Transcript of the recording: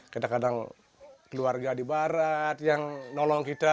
kadang kadang keluarga di barat yang nolong kita